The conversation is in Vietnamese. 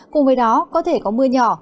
cùng với đó có thể có mưa nhỏ